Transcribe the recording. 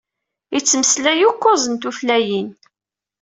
Ittmeslay ukkuz n tutlayin.